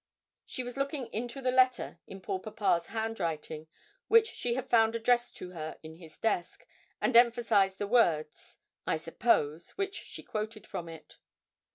She was looking into the letter in poor papa's handwriting, which she had found addressed to her in his desk, and emphasised the words, I suppose, which she quoted from it.